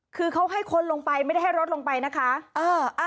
คือเขาให้คนลงไปไม่ได้ให้รถลงไปนะคะ